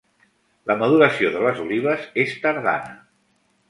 La maduració de les olives és tardana.